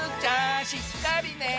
しっかりね。